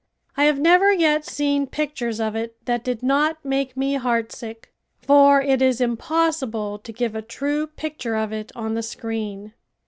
I have never yet seen pictures of it that did not make me heart sick, for it is impossible to give a true picture of it on the screen.